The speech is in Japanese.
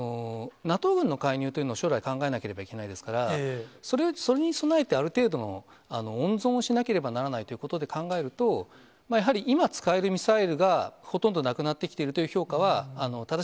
ＮＡＴＯ軍の介入というのを将来考えなければいけないですから、それに備えて、ある程度の温存をしなければならないということで考えると、やはり今、使えるミサイルが、ほとんどなくなってきているといなるほど。